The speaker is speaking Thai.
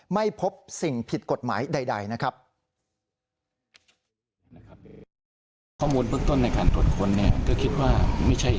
ไม่พบสิ่งผิดกฎหมายใดนะครับ